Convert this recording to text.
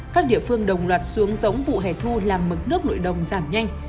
các địa phương đồng loạt xuống giống vụ hẻ thu làm mực nước nội đồng giảm nhanh